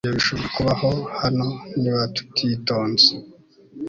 Ibyo bishobora kubaho hano niba tutitonze